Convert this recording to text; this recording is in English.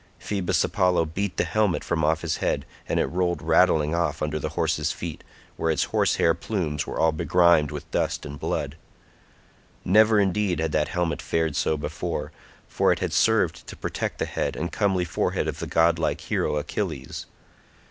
Phoebus Apollo beat the helmet from off his head, and it rolled rattling off under the horses' feet, where its horse hair plumes were all begrimed with dust and blood. Never indeed had that helmet fared so before, for it had served to protect the head and comely forehead of the godlike hero Achilles.